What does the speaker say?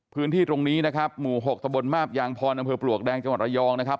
พื้นที่ตรงนี้นะครับหมู่๖ตะบนมาบยางพรอำเภอปลวกแดงจังหวัดระยองนะครับ